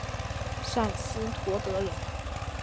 陕西绥德人。